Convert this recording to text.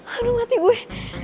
aduh mati gue